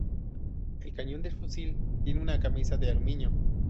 El cañón del fusil tiene una camisa de aluminio.